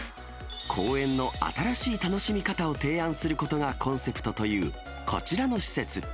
公園の新しい楽しみ方を提案することがコンセプトという、こちらの施設。